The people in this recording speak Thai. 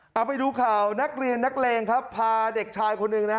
เอาไปดูข่าวนักเรียนนักเลงครับพาเด็กชายคนหนึ่งนะฮะ